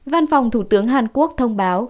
văn phòng thủ tướng hàn quốc thông báo